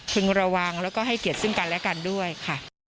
ระวังแล้วก็ให้เกียรติซึ่งกันและกันด้วยค่ะ